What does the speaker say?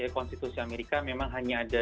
konstitusi amerika memang hanya ada